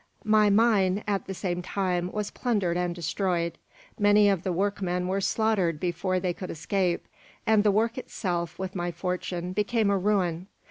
"My mine, at the same time, was plundered and destroyed; many of the workmen were slaughtered before they could escape; and the work itself, with my fortune, became a ruin.